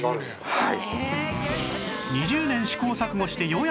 はい。